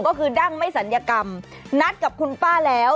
ก็คือดั้งไม่ศัลยกรรมนัดกับคุณป้าแล้ว